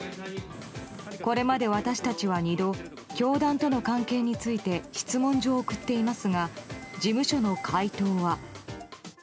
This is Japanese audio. これまで私たちは２度教団との関係について質問状を送っていますが事務所の回答は。